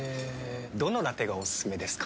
どのラテがおすすめですか？